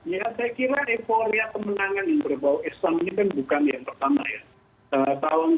ya saya kira euforia pemenangan